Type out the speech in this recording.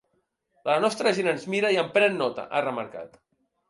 La nostra gent ens mira i en pren nota, ha remarcat.